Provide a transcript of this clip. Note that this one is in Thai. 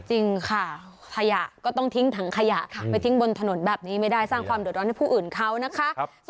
จริงค่ะขยะก็ต้องทิ้งถังขยะไปทิ้งบนถนนแบบนี้ไม่ได้สร้างความเดือดร้อนให้ผู้อื่นเขานะคะ